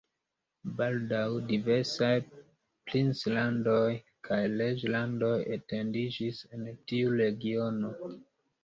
Baldaŭ diversaj princlandoj kaj reĝlandoj etendiĝis en tiu regiono.